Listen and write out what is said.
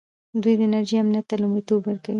دوی د انرژۍ امنیت ته لومړیتوب ورکوي.